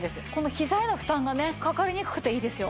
膝への負担がねかかりにくくていいですよ。